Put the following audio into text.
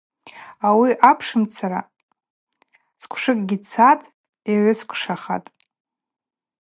Ауи апшымцара сквшыкӏгьи цатӏ, йгӏвысквшахатӏ.